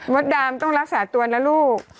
ดำต้องรักษาตัวนะลูก